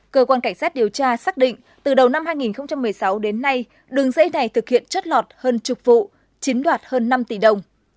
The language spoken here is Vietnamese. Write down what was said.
cơ quan cảnh sát điều tra xác định từ đầu năm hai nghìn một mươi sáu đến nay đường dây này thực hiện chất lọt hơn chục vụ chiếm đoạt hơn năm tỷ đồng